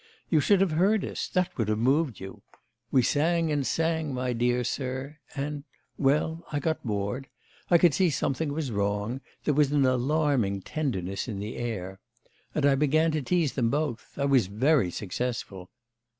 You should have heard us that would have moved you. We sang and sang, my dear sir and well, I got bored; I could see something was wrong, there was an alarming tenderness in the air. And I began to tease them both. I was very successful.